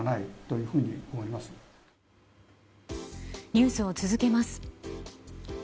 ニュースを続けます。